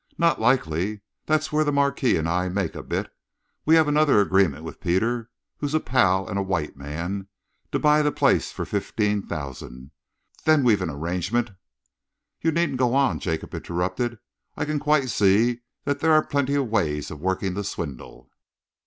"Not likely! That's where the Marquis and I make a bit. We have another agreement with Peter, who's a pal and a white man, to buy the place for fifteen thousand. Then we've an arrangement " "You needn't go on," Jacob interrupted. "I can quite see that there are plenty of ways of working the swindle."